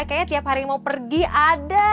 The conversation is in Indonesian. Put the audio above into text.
kayaknya tiap hari mau pergi ada